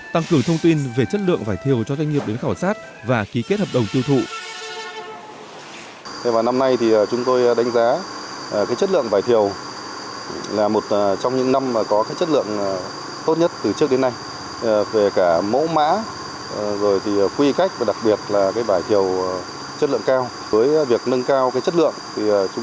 tăng cử thông tin về chất lượng vải thiêu cho doanh nghiệp đến khảo sát và ký kết hợp đồng tiêu thụ